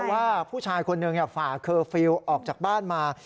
ว่าผู้ชายคนหนึ่งฝ่าเคอร์ฟิลล์ออกจากบ้านมา